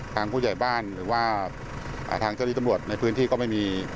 ผู้ใหญ่บ้านหรือว่าทางเจ้าที่ตำรวจในพื้นที่ก็ไม่มี